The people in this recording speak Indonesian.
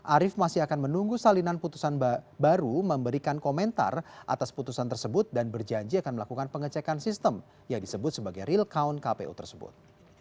arief masih akan menunggu salinan putusan baru memberikan komentar atas putusan tersebut dan berjanji akan melakukan pengecekan sistem yang disebut sebagai real count kpu tersebut